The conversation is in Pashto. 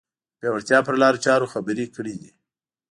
د پیاوړتیا پر لارو چارو خبرې کړې دي